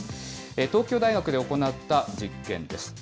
東京大学で行った実験です。